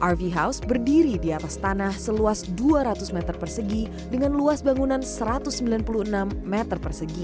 rv house berdiri di atas tanah seluas dua ratus meter persegi dengan luas bangunan satu ratus sembilan puluh enam meter persegi